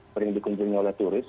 sering dikunjungi oleh turis